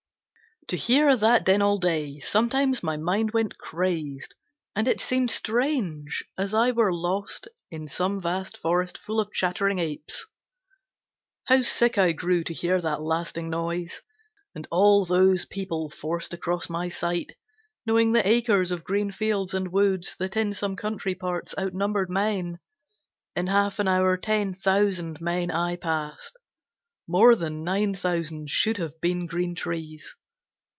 To hear that din all day, sometimes my mind Went crazed, and it seemed strange, as I were lost In some vast forest full of chattering apes. How sick I grew to hear that lasting noise, And all those people forced across my sight, Knowing the acres of green fields and woods That in some country parts outnumbered men; In half an hour ten thousand men I passed More than nine thousand should have been green trees.